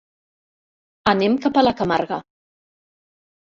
Anem cap a la Camarga.